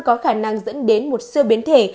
có khả năng dẫn đến một xưa biến thể